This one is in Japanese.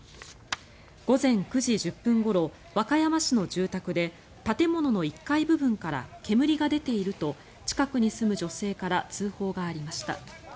午前９時１０分ごろ和歌山市の住宅で建物の１階部分から煙が出ていると近くに住む女性から通報がありました。